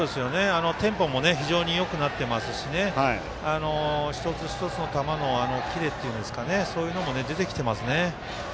テンポも非常によくなってますし一つ一つの球のキレというものそういうのも出てきていますね。